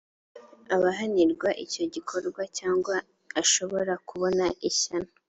abahanirwa icyo gikorwa cyangwa ashobora kubona ishyano